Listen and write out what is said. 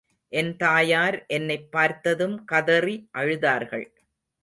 என் தாயார் என்னைப் பார்த்ததும் கதறி அழுதார்கள்.